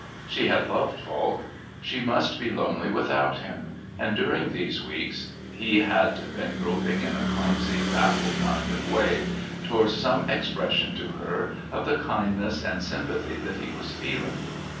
She had loved Falk; she must be lonely without him, and during these weeks he had been groping in a clumsy baffled kind of way towards some expression to her of the kindness and sympathy that he was feeling.